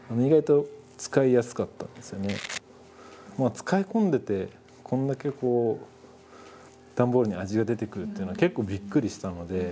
使い込んでてこんだけこう段ボールに味が出てくるっていうのは結構びっくりしたので。